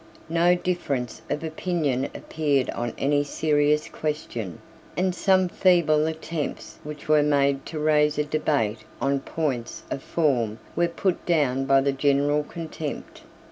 No difference of opinion appeared on any serious question; and some feeble attempts which were made to raise a debate on points of form were put down by the general contempt.